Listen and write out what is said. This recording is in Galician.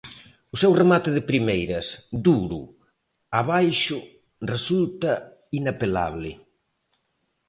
O seu remate de primeiras, duro, abaixo resulta inapelable.